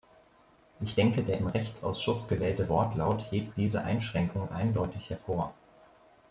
Ich denke, der im Rechtsausschuss gewählte Wortlaut hebt diese Einschränkungen eindeutig hervor.